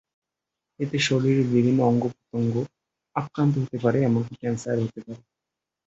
এতে শরীরের বিভিন্ন অঙ্গ-প্রত্যঙ্গ আক্রান্ত হতে পারে, এমনকি ক্যানসারও হতে পারে।